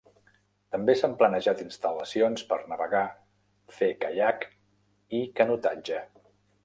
També s'han planejat instal·lacions per navegar, fer caiac i canotatge.